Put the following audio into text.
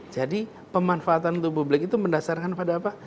pemanfaatan untuk publik itu mendasarkan pada apa